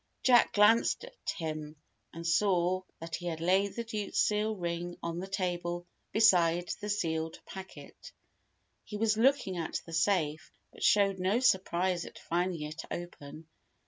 Jack glanced at him, and saw that he had laid the Duke's seal ring on the table beside the sealed packet. He was looking at the safe, but showed no surprise at finding it open.